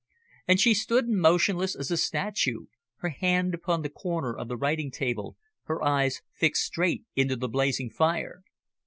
And she stood motionless as a statue, her hand upon the corner of the writing table, her eyes fixed straight into the blazing fire.